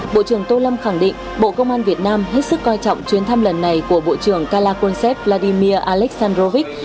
bộ trưởng tô lâm khẳng định bộ công an việt nam hết sức coi trọng chuyến thăm lần này của bộ trưởng kalakonsep vladimir aleksandrovich